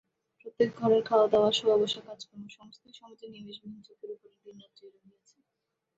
প্রত্যেক ঘরের খাওয়াদাওয়া শোওয়াবসা কাজকর্ম সমস্তই সমাজের নিমেষবিহীন চোখের উপরে দিনরাত্রি রহিয়াছে।